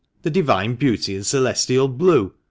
"The divine beauty in celestial blue.